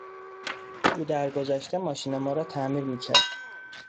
او در گذشته ماشین ما را تعمیر میکرد.